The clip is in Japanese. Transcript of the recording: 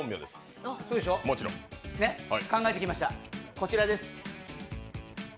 こちらです。